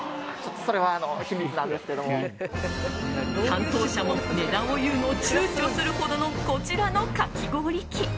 担当者も値段を言うのを躊躇するほどのこちらのかき氷機。